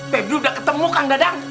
pebdul udah ketemu kang dadang